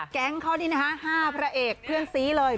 แก๊งเขานี่นะฮะ๕พระเอกเพื่อนซีเลย